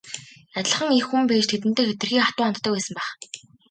Адилхан эх хүн байж тэдэндээ хэтэрхий хатуу ханддаг байсан байх.